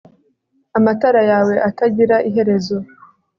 Amatara yawe atagira iherezo